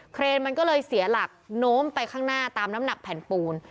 เครนมันก็เลยเสียหลักโน้มไปข้างหน้าตามน้ำหนักแผ่นปูน